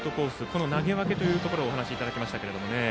その投げ分けというところをお話いただきました。